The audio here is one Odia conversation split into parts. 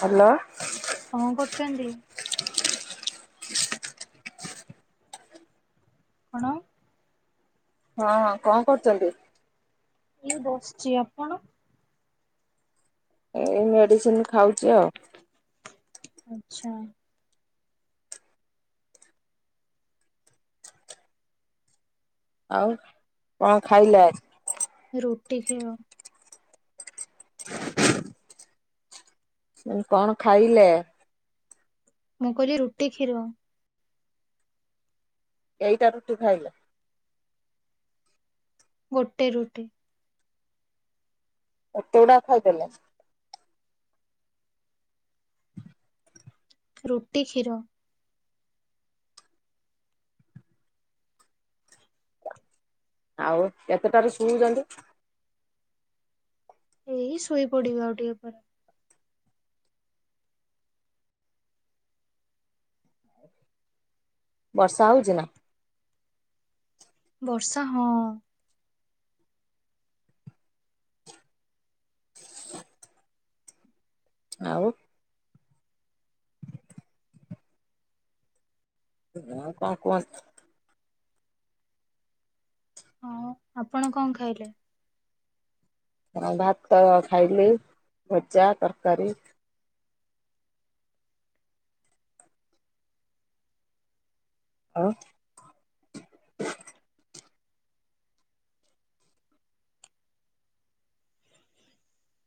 ହାଲୋ। କଣ କରୁଚନ୍ତି? କଣ। ହଁ କଣ କରୁଚନ୍ତି? ଏଇ ବସ୍‌ଛି। ଆପଣ? ଏଇ ମେଡିସିନି ଖାଉଛି ଆଉ। ଆଛା। ଆଉ କଣ ଖାଇଲେ ଆଜି? ରୁଟି କ୍ଷୀର। [inaudible] ଉଁ କଣ ଖାଇଲେ। ମୁଁ କହିଲି ରୁଟି କ୍ଷୀର। କେଇଟା ରୁଟି ଖାଇଲ। ଗୋଟେ ରୁଟି। ଏତେଉଡି ଖାଇ ଦେଲ। ରୁଟି କ୍ଷୀର। ଆଉ କେତେଟାରେ ଶୁଉଚନ୍ତି। ଏଇ ଶୁଇପଡିବି ଆଉ ଟିକେ ପରେ। ବର୍ଷା ହଉଚି ନା। ବର୍ଷା ହଁ। ଆଉ ହଁ କଁ କୁଅନ୍ତୁ। ହଁ ଆପଣ କଣ ଖାଇଲେ। ହଁ ଭାତ ଖାଇଲି ଭଜା ତରକାରୀ। ଆଉ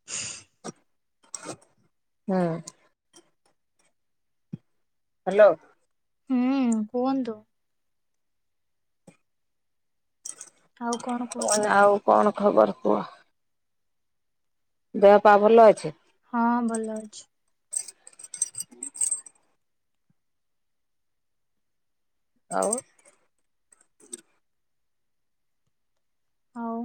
ହଁ [unintelligible] ହୁଁ। ହାଲୋ। ହୁଁ କୁହନ୍ତୁ। ଆଉ କଣ ମୁଁ କହୁଛନ୍ତି କଇନି ଆଉ କଣ ଖବର କୁହ। ଦେହ ପା ଭଲ ଅଛି। ହଁ ଭଲ ଅଛି। ଆଉ ଆଉ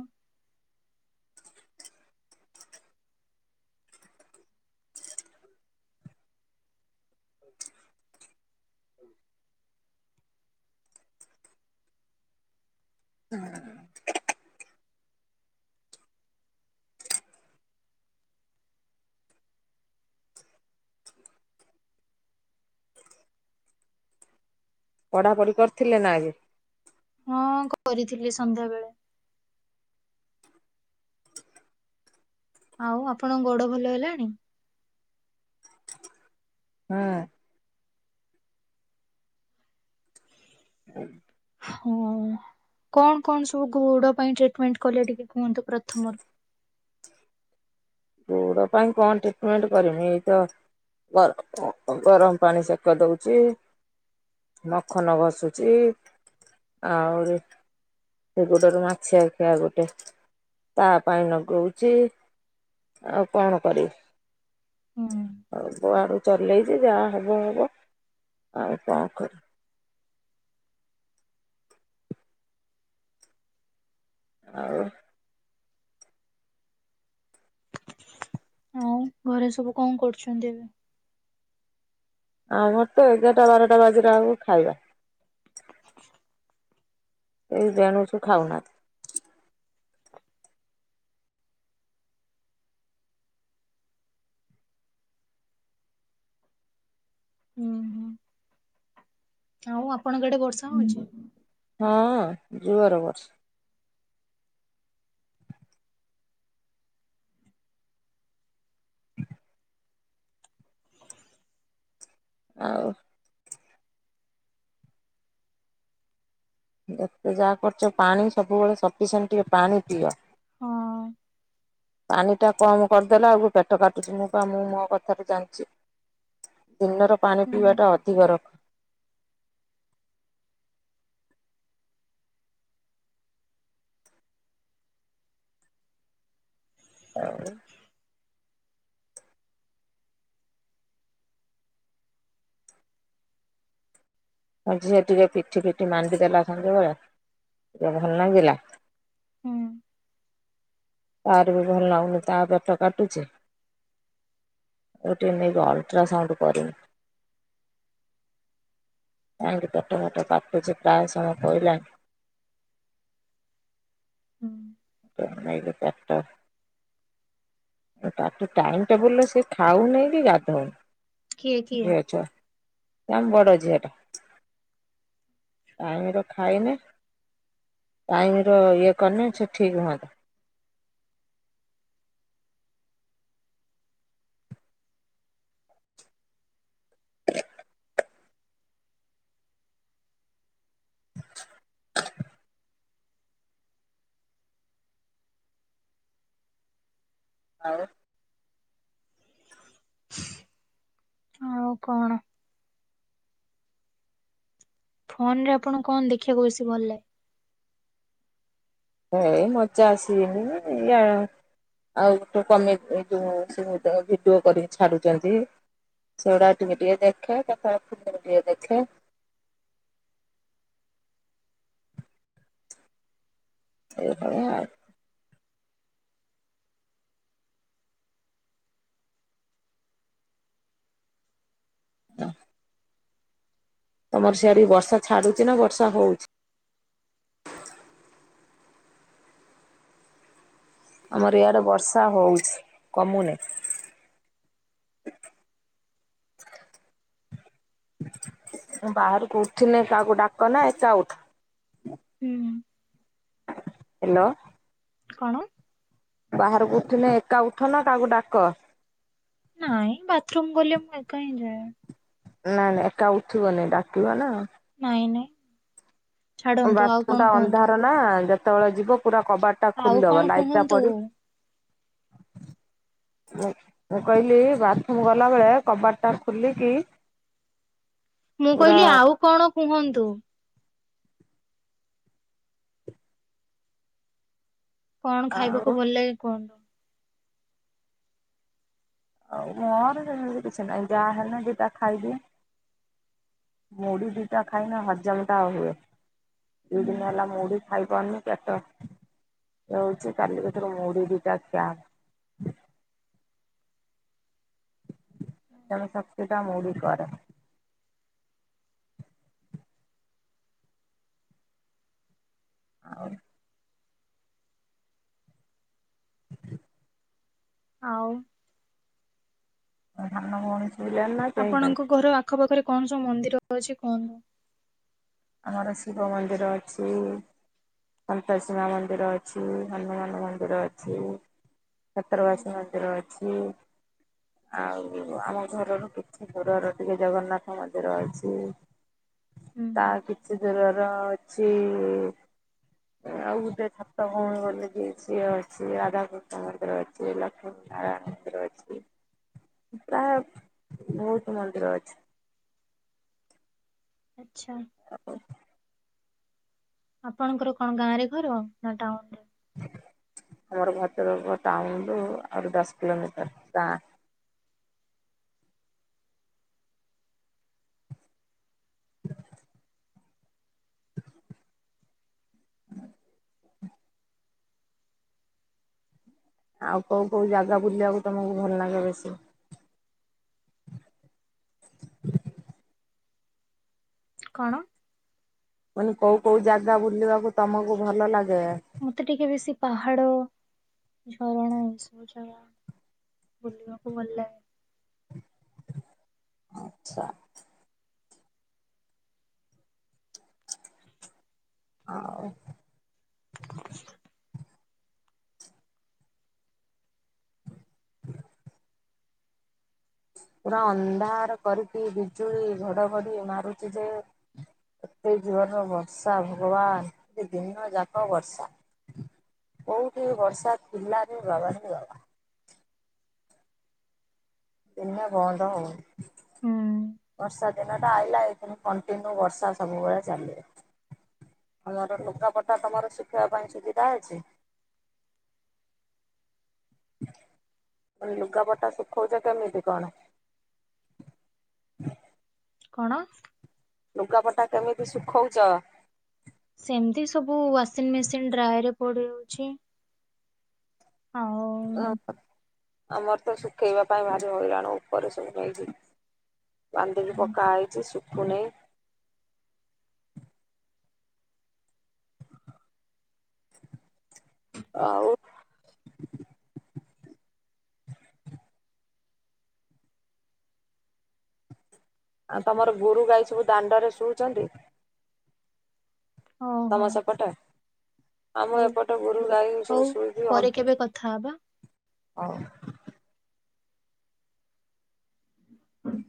ହୁଁ। ପଢ଼ାପଢ଼ି କରିଥିଲେ ନା ଆଗେ। ହଁ କରିଥିଲି ସନ୍ଧ୍ୟାବେେଳେ। ଆଉ ଆପଣଙ୍କ ଗୋଡ ଭଲ ହେଲାଣି? ହଁ। [inaudible] ହଁ କଣ କଣ ସବୁ ଗୋଡ ପାଇଁ ଟ୍ରିଟମେଣ୍ଟ କଲେ ଟିକେ କୁହନ୍ତୁ ପ୍ରଥମରୁ? ଗୋଡ ପାଇଁ କଣ ଟ୍ରିଟମେଣ୍ଟ କରିମି ଏଇତ [unintelligible] ଗରମ ପାଣି ସେକ ଦଉଛି। ମଖନ ଘସୁଛି ଆହୁରି ସେ ଗୋଡରୁ ମାଛିଆଖିଆ ଗୋଟେ ତା ପାଇଁ ନଗଉଚି। ଆଉ କଣ କରିବି? ହୁଁ। ସବୁ ଆଡ଼ୁ ଚଲେଇଛି ଯାହା ହେବ ହେବ ଆଉ କଣ କରି ଆଉ ଆଉ ଘରେ ସବୁ କଣ କରୁଛନ୍ତି ଏବେ? ଆମର ତ ଏଗାରଟା ବାରଟା ବାଜିଲା ବେଳକୁ ଖାଇବା। କେଇ ବେଣୁସୁ ଖାଉନାହାନ୍ତି। ଉଁହୁଁ। ଆଉ ଆପଣଙ୍କ ଆଡେ ବର୍ଷା ହଉଛି? ହଁ ଜୋରେ ବସୁ ଆଉ ଯେତେ ଯାହା କରୁଛ ପାଣି ସବୁବେଳେ ସପିସିଏଣ୍ଟ ଟିକେ ପାଣି ପିଅ। ହଁ। ପାଣିଟା କମ୍ କରିଦେଲେ ଆଉ ପେଟ କାଟୁଛି ମୁଁ ପା ମୁଁ ମୋ କଥାରୁ ଜାଣିଚି। ଦିନର ପାଣି ପିଇବାଟା ହୁଁ ଅଧିକ ରଖ। ପାଣି। ମୋ ଝିଅ ଟିକେ ପିଠି ପିଠି ମାଣ୍ଡିଦେଲା ସଞ୍ଜବେଳେ ଟିକେ ଭଲ ଲାଗିଲା। ହୁଁ। ତାର ବି ଭଲ ଲାଗୁନି ତା ପେଟ କାଟୁଛି। କୋଉଠି ଟିକେ ନେଇକି ଅଲ୍ ଟ୍ରାସାଉଣ୍ଡ କରିବି। କାଇଁ କି ପେଟ ଫେଟ କାଟୁଛି ପ୍ରାୟ ସମୟ ପହିଲାଣି। ହୁଁ। ତାକୁ ଖାଇଲେ ପେଟ ତା ଠୁ ଟାଇମ୍ ଟେବୁଲରେ ସେ ଖାଉନି କି ଗାଧଉନି। କିଏ କିଏ? ଝିଅ ଛୁଆଟେ ନାମ ବଡ ଝିଅଟା। ଟାଇମ୍ ର ଖାଇନି ଟାଇମ୍ ର ଇଏ କରିନେ ସେ ଠିକ୍ ହୁଅନ୍ତା। ଆଉ ଆଉ କଣ? ଫୋନ୍ ରେ ଆପଣ କଣ ବେଶୀ ଦେଖିବାକୁ ଭଲ ଲାଗେ। ଏ ମଜା ଆସିଯନି ଜା ଆଉ ଗୋଟେ କମେ ଯୋଉ ଭିଡିଓ କରିକି ଛାଡୁଛନ୍ତି। ସେଗୁଡା ଟିକେ ଟିକେ ଦେଖେ କେତେବେଳେ ଫୁଲିମ ଟିକେ ଦେଖେ। ସେଇଭଳିଆ ଆଉ। ଅ ତମର ସିଆଡି ବି ବର୍ଷା ଛାଡୁଛି ନା ବର୍ଷା ହଉଛି। ଆମର ଇଆଡେ ବର୍ଷା ହଉଚି କମୁନି। ମୁଁ ବାହାରକୁ ଉଠିନି କାହାକୁ ଡାକ ନା ଏକା ଉଠ ହୁଁ। ହ୍ୟାଲୋ। କଣ? ବାହାରକୁ ଉଠିନେ ଏକା ଉଠ ନା କାହାକୁ ଡାକ। ନାଇଁ ବାଥରୁମ୍ ଗଲେ ମୁଁ ଏକା ହିଁ ଯାଏ। ନାଇଁ ନାଇଁ ଏକା ଉଠିବନି ଡାକିବ ନା। ନାଇଁ ନାଇଁ ଛାଡନ୍ତୁ ଆଉ ବାଥରୁମ ଟା କଣ ଅନ୍ଧାର କୁହନ୍ତୁ। ନା ଯେତେବେଳେ ଯିବ ପୁରା କବାର ଟା ଆଉ କଣ ଖୋଲିଦବ ଲାଇଟ ଟା କୁହନ୍ତୁ? ପଡିବ। ମୁଁ କହିଲି ବାଥରୁମ୍ ଗଲାବେଳେ କବାଟଟା ଖୋଲିକି ମୁଁ ପୁରା କହିଲି ଆଉ କଣ କୁହନ୍ତୁ? କଣ ଆଉ ଖାଇବାକୁ ଭଲ ଲାଗେ କୁହ? ଆଉ ମୋର ଯେମିତି କିଛି ନହିଁ ଯାହା ହେଲେ ନା ଦିଟା ଖାଇଦିଏ। ମୁଢି ଦିଟା ଖାଇନ ହଜମ ଟା ହୁଏ ଦି ହୁଁ ଦିନ ହେଲା ମୁଢି ଖାଇପାରୁନି ପେଟ ହଉଛି କାଲି ଭଥରୁ ମୁଢ ଦିଟା ଖିଆ [unintelligible] ଶକ୍ତି ଟା ମୌଳି କର। [unintelligible] ଆଉ ତା ସାନ ଭଉଣୀ ଶୋଇଲାଣି ନା ଚେଇଁଛନ୍ତି। ଆପଣଙ୍କ ଘର ଆଖପାଖରେ କଣ ସବୁ ମନ୍ଦିର ଅଛି କୁହନ୍ତୁ। ଆମର ଶିବ ମନ୍ଦିର ଅଛି। ସନ୍ତୋଷୀମା ମନ୍ଦିର ଅଛି। ହନୁମାନ ମନ୍ଦିର ଅଛି। [unintelligible] ମନ୍ଦିର ଅଛି। ଆଉ ଆମ ଘରରୁ କିଛି ଦୂର ରେ ଟିକେ ଜଗନ୍ନାଥ ମନ୍ଦିର ଅଛି। ହୁଁ ତା କିଛି ଦୂରର ଅଛି ଆଉ ଗୋଟେ ସାତଭଉଣୀ ବୋଲି ସିଏ ଅଛି। ରାଧାକୃଷ୍ଣ ମନ୍ଦିର ଅ ଶ୍ରୀ ଲକ୍ଷ୍ମୀ ନାରାୟଣ ମନ୍ଦିର ଅଛି। ପ୍ରାୟ ବହୁତ୍ ମନ୍ଦିର ଅଛି। ଆଚ୍ଛା। [unintelligible] ଆପଣଙ୍କର କଣ ଗାଁ ରେ ଘର ନା ଟାଉନ୍ ରେ? ଆମର ଭଦ୍ରକ ଟାଉନ୍ ରୁ ଆହୁରି ଦଶ କିଲୋମିଟର ଗାଁ। ଆଉ କୋଉ କୋଉ ଜାଗା ବୁଲିବାକୁ ତମକୁ ଭଲ ଲାଗେ ବେଶୀ? [inaudible] କଣ? କହିଲି କୋଉ କୋଉ ଜାଗା ବୁଲିବାକୁ ତମକୁ ଭଲ ଲାଗେ? ମତେ ଟିକେ ବେଶୀ ପାହାଡ ଝରଣା ଏସବୁ ଜାଗା ବୁଲିବାକୁ ଭଲ ଲାଗେ। ଆଚ୍ଛା। ଆଉ ପୁରା ଅନ୍ଧାର କରିକି ବିଜୁଳି ଘଡଘଡି ମାରୁଚି ଯେ ଏତେ ଜୋର୍ ରେ ବର୍ଷା ଭଗବାନ, ଦିନ ଯାକ ବର୍ଷା। କୋଉଠି ବର୍ଷା ଥିଲା ରେ ବାବା ରେ ବାବା। ଦିନେ ବନ୍ଦ ହଉନି। ହୁଁ। ବର୍ଷା ଦିନ ଟା ଆଇଲା ଏଇଦିନୁ କଣ୍ଟିନ୍ୟୁ ବର୍ଷା ସବୁବେଳେ ଚାଲିବ। ଭଲର ଲୁଗା ପଟା ତମର ଶୁଖେଇବା ପାଇଁ ସୁବିଧା ଅଛି? କହିଲି ଲୁଗାପଟା ଶୁଖଉଚ କେମିତି କଣ? କଣ? ଲୁଗାପଟା କେମିତି ଶୁଖଉଚ? ସେମିତି ସବୁ ୱାସିଂ ମେସିନ ଡ୍ରାଏ ରେ ପଡୁଛି। [unintelligible] ଆମର ତ ଶୁଖେଇବା ପାଇଁ ଭାରି ହଇରାଣ ଉପରେ ସବୁ ନେଇକି। ବାନ୍ଧିକି ପକା ହେଇଚି ଶୁଖୁନି। ଆଉ ଆଉ ତମର ଗୋରୁ ଗାଈ ସବୁ ଦାଣ୍ଡରେ ଶୋଉଚନ୍ତି? ତମର ଓହୋ ସେପଟେ। ଆମ ହଉ ଏପଟେ ଗୋରୁ ଗାଈ ହଉ ସବୁ ଶୋଇକି ହଁ। ପରେ କେବେ କଥା ହବା। ହ୍